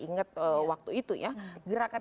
ingat waktu itu ya gerakan